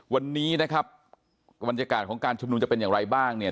วันนี้นะครับบรรยากาศของการชุมนุมจะเป็นอย่างไรบ้างเนี่ย